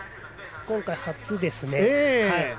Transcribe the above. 今回、初ですね。